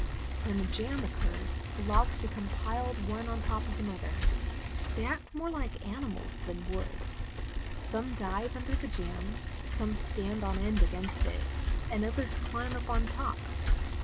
When a jam occurs, the logs become piled one on top of another. They act more like animals than wood. Some dive under the jam, some stand on end against it, and others climb up on top.